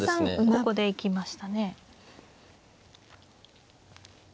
ここで行きましたね。